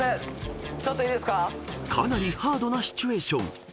［かなりハードなシチュエーション］